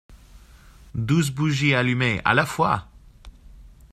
Douze bougies allumées … à la fois !